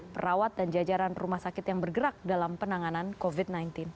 perawat dan jajaran rumah sakit yang bergerak dalam penanganan covid sembilan belas